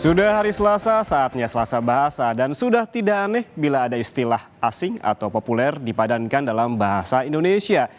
sudah hari selasa saatnya selasa bahasa dan sudah tidak aneh bila ada istilah asing atau populer dipadankan dalam bahasa indonesia